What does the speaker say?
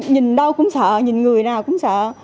nhìn đâu cũng sợ nhìn người nào cũng sợ